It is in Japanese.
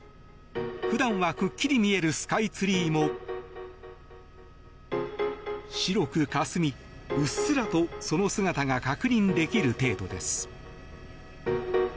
普段は、くっきり見えるスカイツリーも白くかすみうっすらとその姿が確認できる程度です。